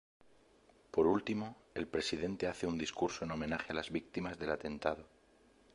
Por último, el Presidente hace un discurso en homenaje a las víctimas del atentado.